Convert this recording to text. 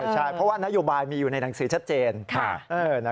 ใช่เพราะว่านโยบายมีอยู่ในหนังสือชัดเจน